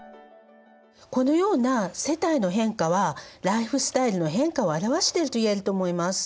このような世帯の変化はライフスタイルの変化を表してるといえると思います。